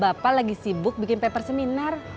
bapak lagi sibuk bikin paper seminar